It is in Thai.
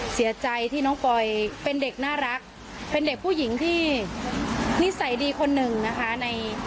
เสียใจที่น้องปอยเป็นเด็กน่ารักเป็นเด็กผู้หญิงที่นิสัยดีคนหนึ่งนะคะ